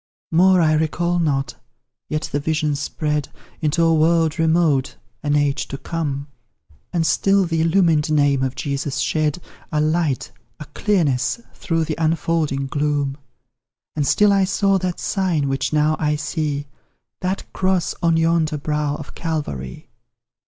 More I recall not, yet the vision spread Into a world remote, an age to come And still the illumined name of Jesus shed A light, a clearness, through the unfolding gloom And still I saw that sign, which now I see, That cross on yonder brow of Calvary.